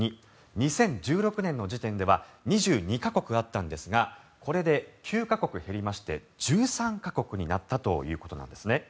２０１６年の時点では２２か国あったんですがこれで９か国減りまして１３か国になったということなんですね。